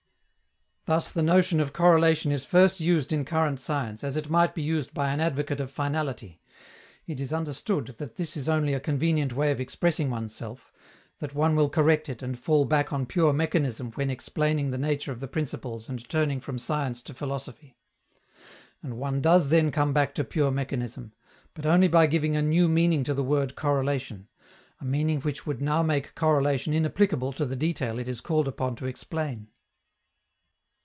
Thus, the notion of correlation is first used in current science as it might be used by an advocate of finality; it is understood that this is only a convenient way of expressing oneself, that one will correct it and fall back on pure mechanism when explaining the nature of the principles and turning from science to philosophy. And one does then come back to pure mechanism, but only by giving a new meaning to the word "correlation" a meaning which would now make correlation inapplicable to the detail it is called upon to explain.